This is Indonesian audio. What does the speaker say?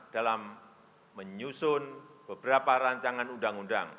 dalam menyusun beberapa rancangan undang undang